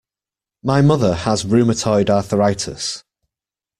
My mother has rheumatoid arthritis.